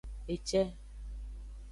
Ece.